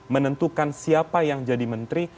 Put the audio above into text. menentukan siapa yang jadi menteri